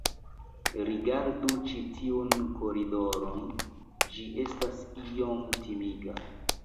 Rigardu ĉi tiun koridoron ĝi estas iom timiga